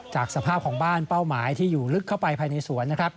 จากสภาพของบ้านเป้าหมายที่อยู่ลึกเข้าไปภายในสวนนะครับ